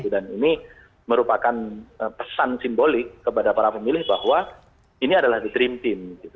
dan ini merupakan pesan simbolik kepada para pemilih bahwa ini adalah the dream team